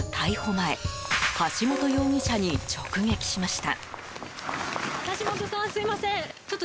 前橋本容疑者に直撃しました。